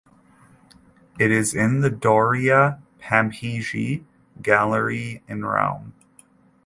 It is in the Doria Pamphilj Gallery in Rome.